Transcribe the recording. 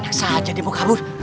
enak saja dia mau kabur